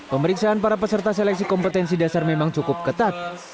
pemeriksaan para peserta seleksi kompetensi dasar memang cukup ketat